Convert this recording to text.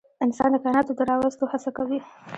انسان د کایناتو د راوستو هڅه کوي.